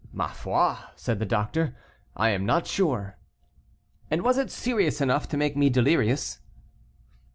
"Ma foi," said the doctor, "I am not sure." "And was it serious enough to make me delirious?"